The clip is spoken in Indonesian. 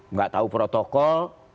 nggak tahu protokol